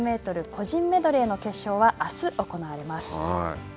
個人メドレーの決勝はあす行われます。